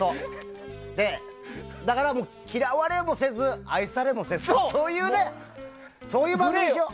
だから、嫌われもせず愛されもせずそういう番組にしよ。